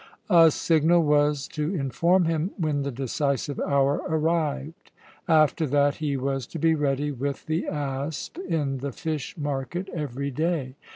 A signal was to inform him when the decisive hour arrived. After that he was to be ready with the asp in the fish market every day.